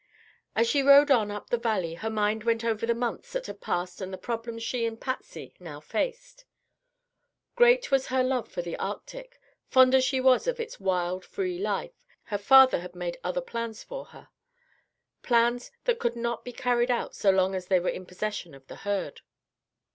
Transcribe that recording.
As she rode on up the valley her mind went over the months that had passed and the problems she and Patsy now faced. Great as was her love for the Arctic, fond as she was of its wild, free life, her father had made other plans for her; plans that could not be carried out so long as they were in possession of the herd.